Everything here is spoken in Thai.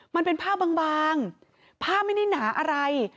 มันเป็นผ้าบางผ้าไม่ได้หนาอะไร